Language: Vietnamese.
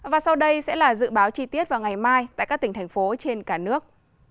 và sau đây sẽ là dự báo chi tiết vào ngày mai tại các tỉnh thành phố trên cả nước